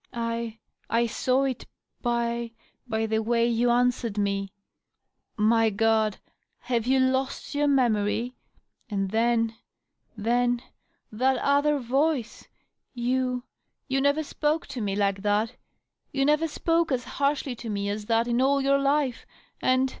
I — I saw it by — ^by the way you answered me. ., My Grod ! have you hd your memory? And then .. then .. that other voice! You — you never spoke to me like that — ^you never spoke as harshly to me as that in all your life — and